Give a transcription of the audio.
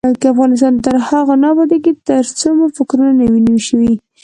افغانستان تر هغو نه ابادیږي، ترڅو مو فکرونه نوي نشي.